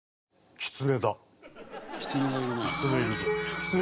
キツネがいるね。